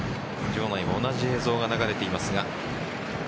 場内同じ映像が流れていますが。